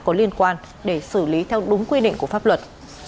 có liên quan để xử lý theo đúng quy định của pháp luật